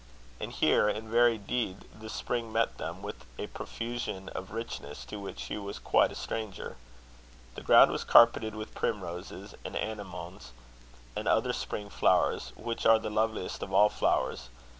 And here, in very deed, the Spring met them, with a profusion of richness to which Hugh was quite a stranger. The ground was carpeted with primroses, and anemones, and other spring flowers, which are the loveliest of all flowers.